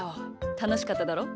たのしかっただろ？